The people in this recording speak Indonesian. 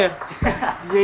yaelah lo pada ternyata